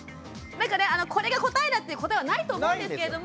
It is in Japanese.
だからこれが答えだっていう答えはないと思うんですけれども。